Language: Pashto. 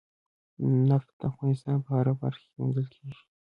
نفت د افغانستان په هره برخه کې موندل کېږي.